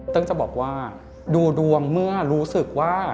จะบอกว่าดูดวงเมื่อรู้สึกว่า